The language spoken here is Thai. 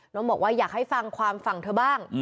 น้องบอกว่าอยากให้ฟังความฝั่งเธอบ้าง